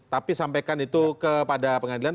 tapi sampaikan itu kepada pengadilan